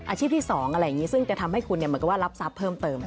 อาชีพที่๒อะไรอย่างนี้ซึ่งจะทำให้คุณเหมือนกับว่ารับทรัพย์เพิ่มเติม